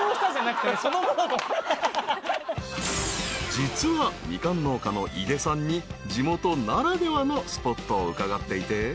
［実はミカン農家の井出さんに地元ならではのスポットを伺っていて］